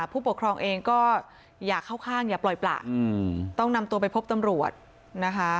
ผู้ปกครองเองก็อย่าเข้าข้างอย่าปล่อยประต้องนำตัวไปพบตำรวจนะคะ